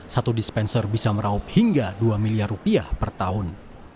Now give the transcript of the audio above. satu dispenser bisa meraup hingga dua miliar rupiah per tahun